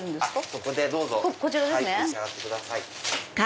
そこでどうぞ召し上がってください。